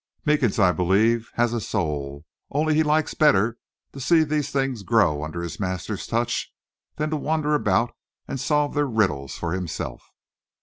Meekins, I believe, has a soul, only he likes better to see these things grow under his master's touch than to wander about and solve their riddles for himself."